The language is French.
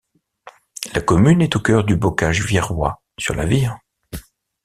La commune est au cœur du Bocage virois, sur la Vire.